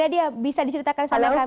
dia bisa diceritakan sama kami